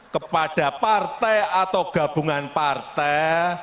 kepada partai atau gabungan partai